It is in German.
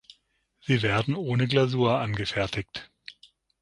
Sie werden ohne Glasur angefertigt.